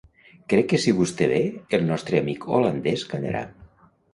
Crec que si vostè ve, el nostre amic holandès callarà.